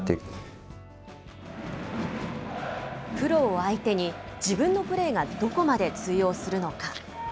プロを相手に自分のプレーがどこまで通用するのか。